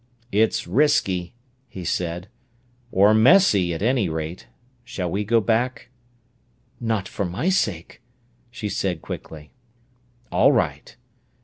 "It's risky," he said; "or messy, at any rate. Shall we go back?" "Not for my sake," she said quickly. "All right.